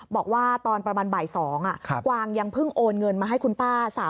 บอกว่าตอนประมาณบ่าย๒กวางยังเพิ่งโอนเงินมาให้คุณป้า